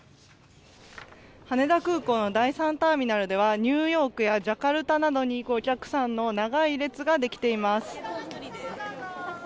羽田空港の第３ターミナルではニューヨークやジャカルタなどに行くお客さんの長い列ができています。